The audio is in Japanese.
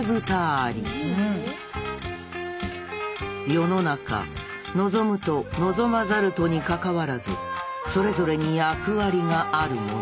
世の中望むと望まざるとにかかわらずそれぞれに役割があるもの。